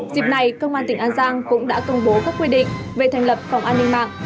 dịp này công an tỉnh an giang cũng đã công bố các quy định về thành lập phòng an ninh mạng